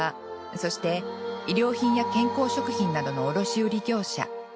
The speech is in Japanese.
そして医療品や健康食品などの卸売業者。